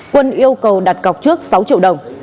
quân yêu cầu đặt cọc trước sáu triệu đồng